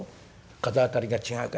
風当たりが違うか。